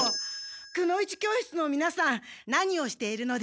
くの一教室の皆さん何をしているのですか？